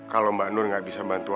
kalau mbak nur nggak bisa bantu